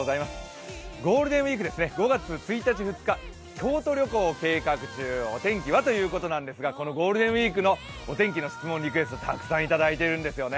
ゴールデンウイーク、５月１日、２日、京都旅行を計画中、お天気は？ということですがこのゴールデンウイークのお天気の質問、リクエスト、たくさんいただいているんですよね。